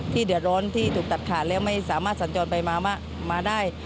เดือดร้อนที่ถูกตัดขาดแล้วไม่สามารถสัญจรไปมาได้